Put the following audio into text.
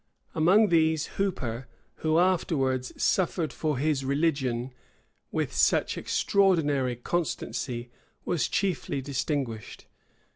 Among these, Hooper, who afterwards suffered for his religion with such extraordinary constancy, was chiefly distinguished.